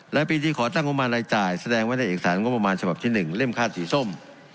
และปีที่ขอตั้งงบมารรายจ่ายแสดงไว้ในเอกสารงบประมาณฉบับที่๑เล่มค่าสีส้ม